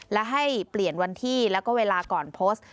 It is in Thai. และให้เปลี่ยนวันที่แล้วก็เวลาก่อนโพสต์